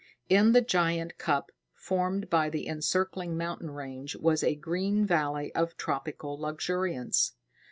In the giant cup formed by the encircling mountain range was a green valley of tropical luxuriance.